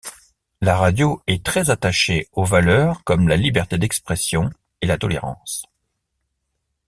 La radio est très attachées aux valeurs comme la liberté d'expression et la tolérance.